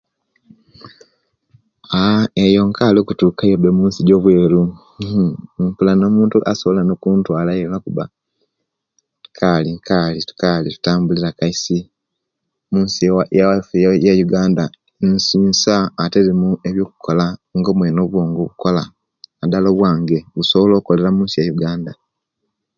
Aaa eyo nkali okutukayo be munsi ejobweru nmpula nomuntu asobola okuntwalayo olwokuba nkali nkali nkali ntambulira Kaisi munsi yabwaisu eya Uganda nsi nsa ate erimu ebyokukola nga omwene obwongo bukola nadala obwange busobola okolera munsi eye uganda